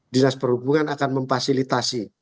dinas perhubungan akan memfasilitasi